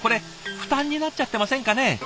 負担になっちゃってませんかね？